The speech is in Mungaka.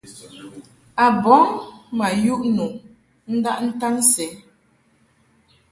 A bɔŋ ma yuʼ nu ndaʼ ntaŋ sɛ.